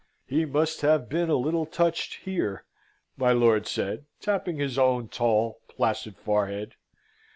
"He must have been a little touched here," my lord said, tapping his own tall, placid forehead.